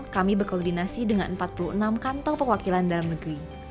kami berkoordinasi dengan empat puluh enam kantong perwakilan dalam negeri